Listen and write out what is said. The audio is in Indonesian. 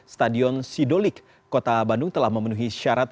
stadion sidolik kota bandung telah memenuhi syarat